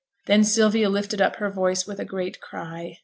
Then Sylvia lifted up her voice with a great cry.